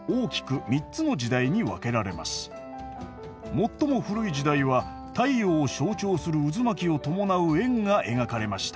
最も古い時代は太陽を象徴する渦巻きを伴う円が描かれました。